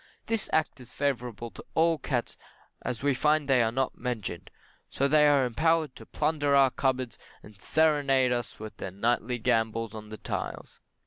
This Act is favourable to all cats as we find they are not mentioned, so they are empowered to plunder our cupboards, and seranade us with their nightly gambols on the tiles.